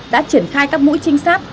đã triển khai các mũi trinh sát